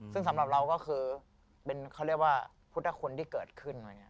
ซึ่งสำหรับเราก็คือเป็นพุทธนาคมที่เกิดขึ้น